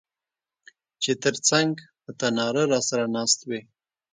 چي تر څنګ په تناره راسره ناست وې